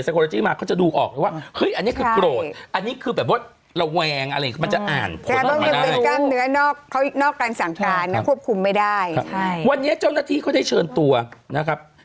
สั่งการเครื่องคุมไม่ได้เงียบวันแยะเจ้าหน้าที่เขาได้เชิญตัวนะครับ